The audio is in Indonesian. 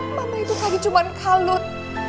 mama itu kayak cuman kalut